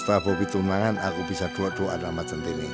setelah bobby turun mangan aku bisa doa doa sama centini